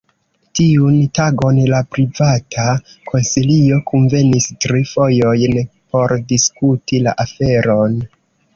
Tiun tagon la Privata Konsilio kunvenis tri fojojn por diskuti la aferon.